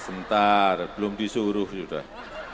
sebentar belum disuruh sudah